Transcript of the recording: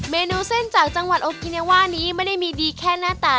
เมนูเส้นจากจังหวัดโอกินเนว่านี้ไม่ได้มีดีแค่หน้าตา